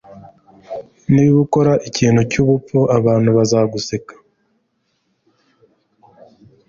Niba ukora ikintu cyubupfu, abantu bazaguseka.